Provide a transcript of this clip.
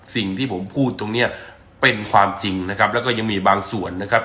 สิ่งที่ผมพูดตรงเนี้ยเป็นความจริงนะครับแล้วก็ยังมีบางส่วนนะครับ